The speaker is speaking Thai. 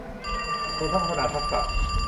รวมทั้งพัฒนาทักษะ